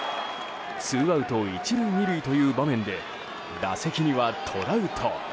ツーアウト１塁２塁という場面で打席にはトラウト。